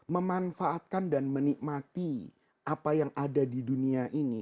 memanfaatkan dan menikmati apa yang ada di dunia ini